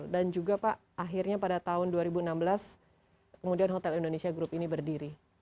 dan juga pak akhirnya pada tahun dua ribu enam belas kemudian hotel indonesia group ini berdiri